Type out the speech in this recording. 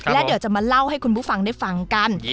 และเดี๋ยวจะมาเล่าให้คุณผู้ฟังได้ฟังกัน